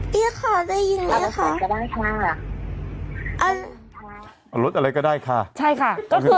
พี่ขอได้ยินไหมคะเอารถอะไรก็ได้ค่ะเอาเอารถอะไรก็ได้ค่ะ